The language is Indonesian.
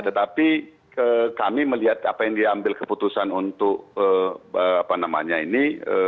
tetapi kami melihat apa yang diambil keputusan untuk apa namanya ini